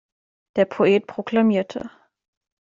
Der Poet proklamierte.